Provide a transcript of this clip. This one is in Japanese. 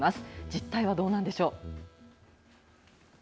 実態はどうなんでしょう？